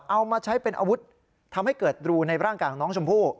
เอามาใช้เป็นอาวุธทำให้เกิดรูในร่างกายของน้องชมพู่